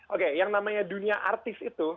oke yang namanya dunia artis itu